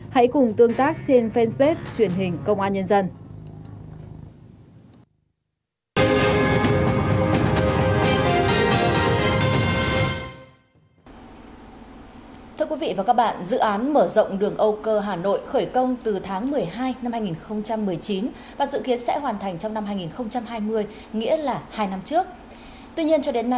hãy cùng tương tác trên fanpage truyền hình công an nhân dân